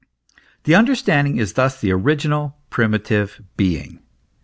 The understanding is thus the original, primitive being.